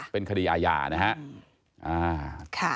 เป็นคดีอาญานะครับ